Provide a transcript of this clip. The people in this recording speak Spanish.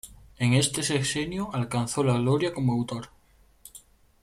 En este sexenio alcanzó la gloria como autor.